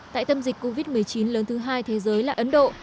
tại tâm dịch covid một mươi chín lớn thứ hai thế giới là ấn độ